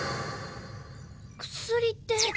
薬って。